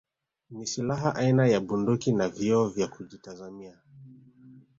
Ni silaha aina ya Bunduki na vioo vya kujitazamia